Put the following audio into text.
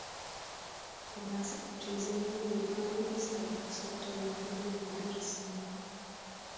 Jedná se o přízemní jednolodní stavbu s obdélníkovým půdorysem.